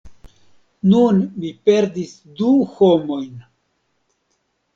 Nun mi perdis du homojn!